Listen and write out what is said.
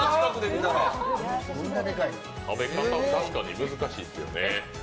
食べ方、確かに難しいですよね。